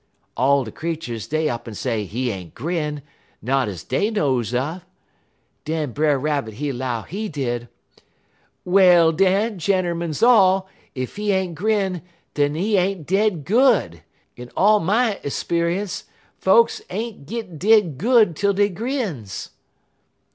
"All de creeturs dey up'n say he ain't grin, not ez dey knows un. Den Brer Rabbit, he 'low, he did: "'Well, den, gentermuns all, ef he ain't grin, den he ain't dead good. In all my 'speunce folks ain't git dead good tel dey grins.'